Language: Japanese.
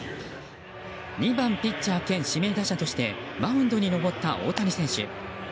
２番ピッチャー兼指名打者としてマウンドに登った大谷選手。